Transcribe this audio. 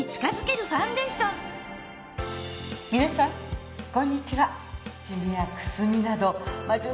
皆さんこんにちは。